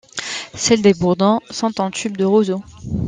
Celles des bourdons sont en tube de roseau.